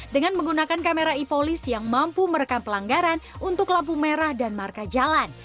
dengan menggunakan kamera e polis yang mampu merekam pelanggaran untuk lampu merah dan marka jalan